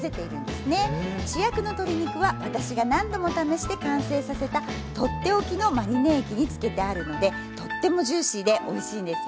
主役の鶏肉は私が何度も試して完成させたとっておきのマリネ液に漬けてあるのでとってもジューシーでおいしいんですよ。